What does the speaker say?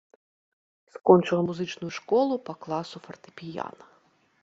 Скончыла музычную школу па класу фартэпіяна.